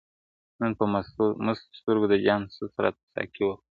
نن په مستو سترګو د جام ست راته ساقي وکړ,